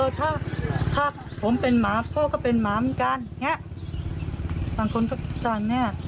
ถ้าผมเป็นหมาพ่อก็เป็นหมาเหมือนกัน